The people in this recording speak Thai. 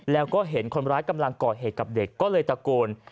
แล้วก็เห็นคนร้ายกำลังก่อเหตุกับเด็กก็เลยตะโกน